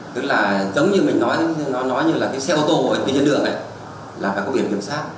tức là giống như mình nói nó nói như là cái xe ô tô ở trên đường này là phải có biển kiểm soát